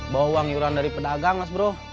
bawa uang iuran dari pedagang mas bro